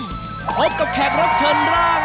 พบกับแขกรับเชิญร่าง